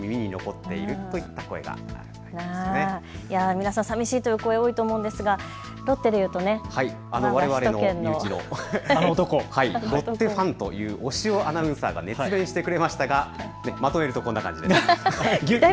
皆さん、さみしいという声が多いと思うんですがロッテでいうと首都圏身内のロッテファンという押尾アナウンサーが熱弁してくれましたがまとめるとこんな感じです。